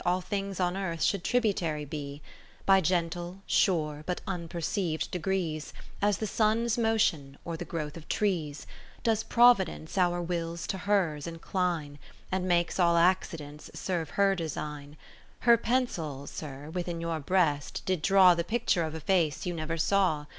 All things on earth should tributary be; 10 Jiy gentle, sure, but unperceiv'd degrees, As the Sun's motion, or the growth of trees, Does Providence our wills to hers incline. And makes all accidents serve her design : Her pencil (Sir) within your breast did draw The picture of a face you never saw.